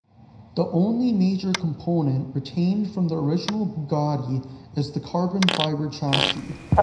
The only major component retained from the original Bugatti is the carbon-fiber chassis.